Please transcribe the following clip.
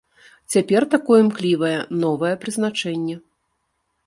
Цяпер такое імклівае новае прызначэнне.